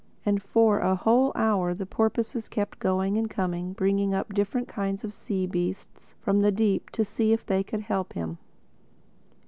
And for a whole hour the porpoises kept going and coming, bringing up different kinds of sea beasts from the deep to see if they could help him.